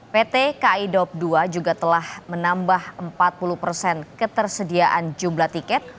pt kai daup dua juga telah menambah empat puluh persen ketersediaan jumlah tiket